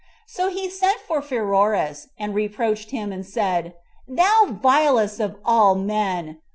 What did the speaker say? So he sent for Pheroras, and reproached him, and said, "Thou vilest of all men!